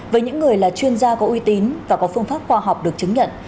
với những người là chuyên gia có uy tín và có phương pháp khoa học được chứng nhận